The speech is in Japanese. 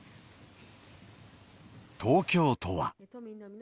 東京都は。